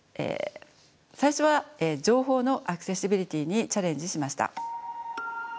最初は情報のアクセシビリティーにチャレンジしました。